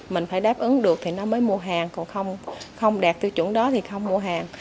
mình phải đáp ứng được thì nó mới mua hàng còn không đạt tiêu chuẩn đó thì không mua hàng